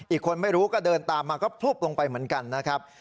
อีกคนไม่รู้ก็เดินตามมาก็พลุบลงไปเหมือนกันนะครับ